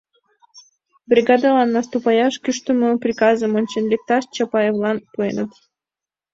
Бригадылан наступаяш кӱштымӧ приказым ончен лекташ Чапаевлан пуэныт.